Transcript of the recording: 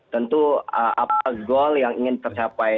tentu apa goal yang ingin tercapai